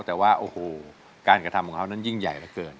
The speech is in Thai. แต่ว่าโอ้โหการกระทำของเขานั้นยิ่งใหญ่เหลือเกิน